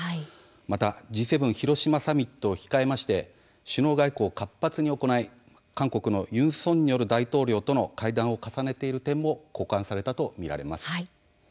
またＧ７広島サミットを控えまして首脳外交を活発に行い韓国のユン・ソンニョル大統領との会談を重ねている点も好感されたと見られます。